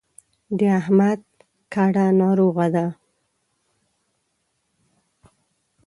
د احمد کډه ناروغه ده.